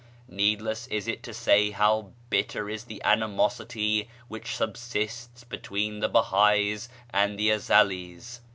Needless is it to say how bitter is the animosity which subsists between the Behá'ís and the Ezelís.